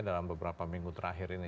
dalam beberapa minggu terakhir ini